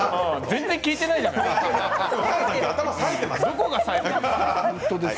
全然聞いていないじゃない。